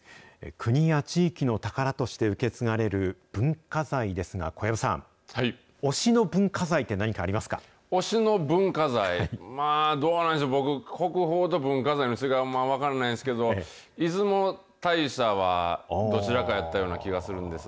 国や地域の宝として受け継がれる文化財ですが、小籔さん、推しの文化財、まあ、どうなんでしょう、僕、国宝と文化財の違いもあんま分からないんですけど、出雲大社はどちらかやったような気がするんです、